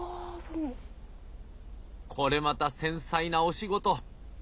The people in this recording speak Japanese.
これまた繊細なお仕事。